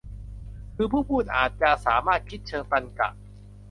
คือผู้พูด อาจจะสามารถคิดเชิงตรรกะ